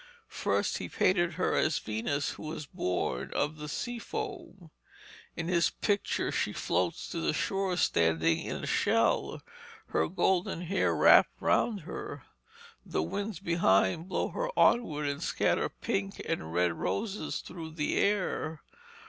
First he painted her as Venus, who was born of the sea foam. In his picture she floats to the shore standing in a shell, her golden hair wrapped round her. The winds behind blow her onward and scatter pink and red roses through the air.